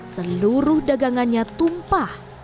seluruh dagangannya tumpah